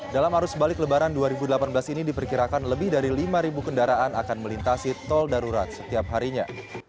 dalam arus balik lebaran dua ribu delapan belas ini diperkirakan lebih dari lima kendaraan akan melintasi tol darurat setiap harinya